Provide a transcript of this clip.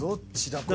これ。